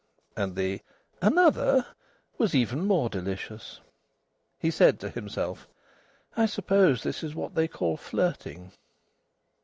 And the "Another?" was even more delicious. He said to himself: "I suppose this is what they call flirting."